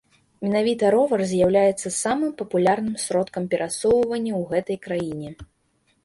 Менавіта ровар з'яўляецца самым папулярным сродкам перасоўвання ў гэтай краіне.